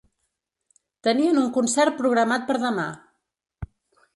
Tenien un concert programat per demà.